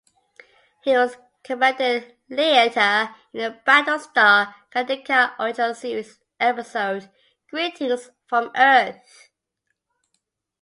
He was Commandant Leiter in the "Battlestar Galactica" original-series episode "Greetings from Earth".